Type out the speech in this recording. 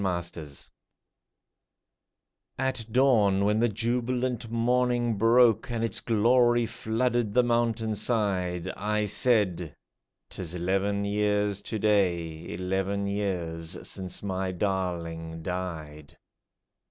AT DAWN At dawn, when the jubilant morning broke, And its glory flooded the mountain side, I said, ^' 'Tis eleven years to day, Eleven years since my darling died